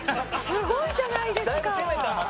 すごいじゃないですか。